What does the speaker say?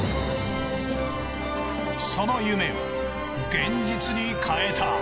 その夢を現実に変えた。